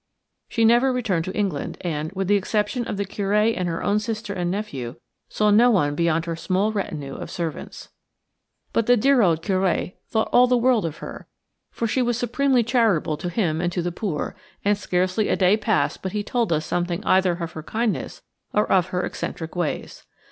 She never returned to England, and, with the exception of the Curé and her own sister and nephew, saw no one beyond her small retinue of servants. But the dear old Curé thought all the world of her, for she was supremely charitable to him and to the poor, and scarcely a day passed but he told us something either of her kindness or of her eccentric ways.